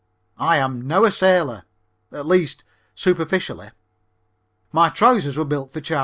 I am now a sailor at least, superficially. My trousers were built for Charlie Chaplin.